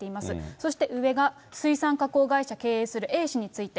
そして上が、水産加工会社経営するＡ氏について。